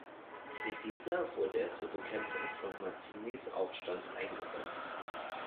Mit dieser wurde er zur Bekämpfung von Mazzinis Aufstand eingesetzt.